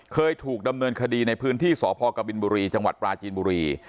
เคยถูกดำเนินคดีในพื้นที่สภกบรปราจีนบุรี